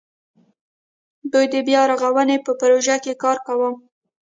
دوی د بیا رغاونې په پروژه کې کار کاوه.